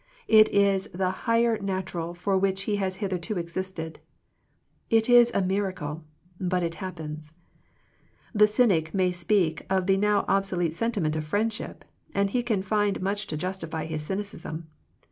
It is the higher nat ural for which he has hitherto existed. It is a miracle, but it happens. The cynic may speak of the now obso lete sentiment of friendship, and he can find much to justify his cynicism.